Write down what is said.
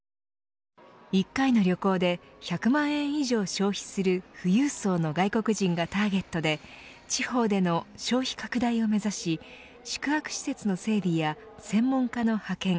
１回の旅行で１００万円以上消費する富裕層の外国人がターゲットで地方での消費拡大を目指し宿泊施設の整備や専門家の派遣